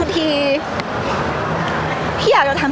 พี่ตอบได้แค่นี้จริงค่ะ